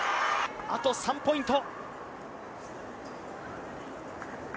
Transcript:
あと３ポイント。